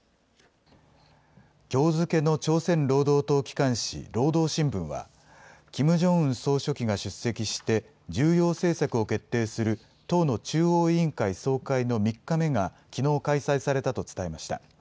きょう付けの朝鮮労働党機関紙、労働新聞は、キム・ジョンウン総書記が出席して、重要政策を決定する党の中央委員会総会の３日目がきのう開催されたと伝えました。